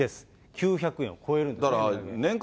９００円超えるんです。